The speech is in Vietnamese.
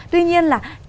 tuy nhiên là